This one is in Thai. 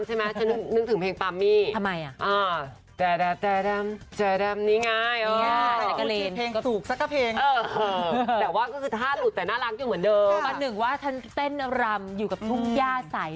ต้องนึกถึงเพลงบำใช่มั้ยเช่นนึกถึงเพลงปัมมี่